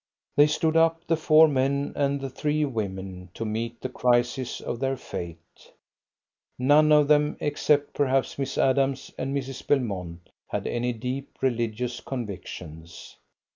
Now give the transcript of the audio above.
They stood up, the four men and the three women, to meet the crisis of their fate. None of them, except perhaps Miss Adams and Mrs. Belmont, had any deep religious convictions.